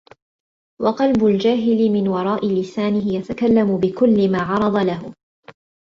وَقَلْبُ الْجَاهِلِ مِنْ وَرَاءِ لِسَانِهِ يَتَكَلَّمُ بِكُلِّ مَا عَرَضَ لَهُ